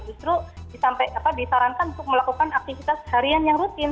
justru disarankan untuk melakukan aktivitas harian yang rutin